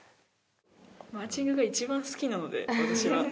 マーチングが一番好きなので、私は。